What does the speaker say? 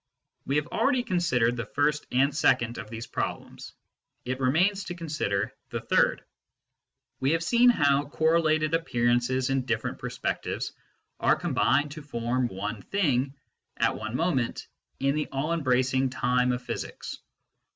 We have already considered the first and second of these problems ; it remains to consider the third. We have seen how correlated appearances in different perspectives are combined to form one " thing " at one moment in the all embracing time of physics.